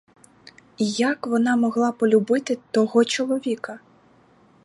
І як вона могла полюбити того чоловіка?